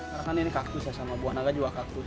karena ini kaktus ya sama buah naga juga kaktus